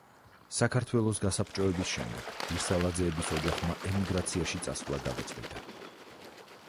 საქართველოს გასაბჭოების შემდეგ ვირსალაძეების ოჯახმა ემიგრაციაში წასვლა გადაწყვიტა.